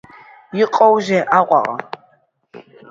Иҟоузеи Аҟәаҟа?